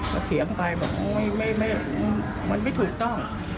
เขาเขียงไปบอกว่ามันไม่ถูกต้อง